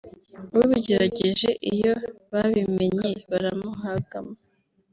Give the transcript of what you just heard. ubigerageje iyo babimenye baramuhagama